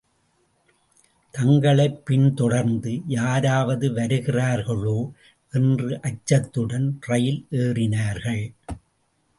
தங்களைப் பின் தொடர்ந்து யாராவது வருகிறார்களோ என்ற அச்சத்துடன் ரயில் ஏறினார்கள்.